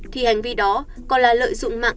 thì hành vi đó còn là lợi dụng mạng